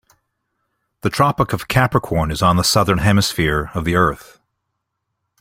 The Tropic of Capricorn is on the Southern Hemisphere of the earth.